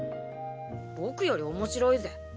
僕より面白いぜ。